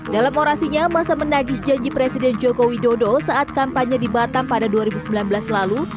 dalam orasinya masa menagih janji presiden joko widodo saat kampanye di batam pada dua ribu sembilan belas lalu